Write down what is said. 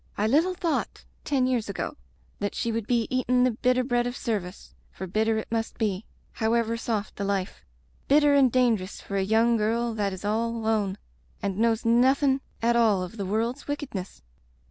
... I little thought, ten years ago, that she would be catin* the bitter bread of service, for bit ter it must be, however soft the life; bitter and dangerous for a young girl that is all alone and knows nothin* at all of the world's wickedness.